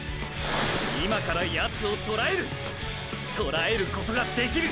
今からヤツをとらえるっとらえることができる！！